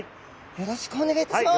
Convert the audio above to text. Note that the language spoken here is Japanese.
よろしくお願いします。